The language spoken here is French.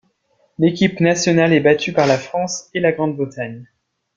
L'équipe nationale est battue par la France et la Grande-Bretagne.